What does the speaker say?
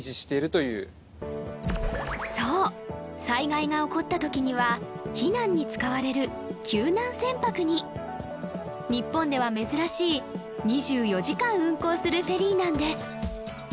災害が起こったときには避難に使われる救難船舶に日本では珍しい２４時間運航するフェリーなんです